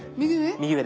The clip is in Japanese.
右上？